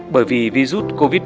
bởi vì virus covid một mươi chín